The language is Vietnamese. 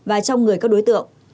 và trong người các đối tượng